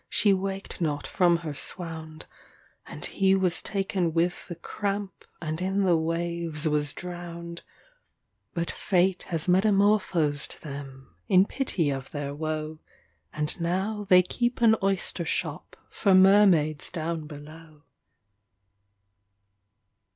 she waked not from her swound, And he was taken with the cramp, and in the waves was drowned; But Fate has metamorphosed them, in pity of their woe, And now they keep an oyster shop for mermaids down below.